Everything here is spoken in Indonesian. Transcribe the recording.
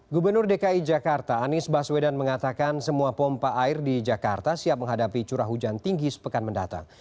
gubernur dki jakarta anies baswedan mengatakan semua pompa air di jakarta siap menghadapi curah hujan tinggi sepekan mendatang